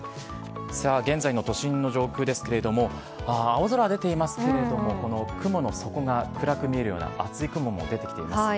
さあ、現在の都心の状況ですけれども、青空出ていますけれども、この雲の底が暗く見えるような厚い雲も出てきていますね。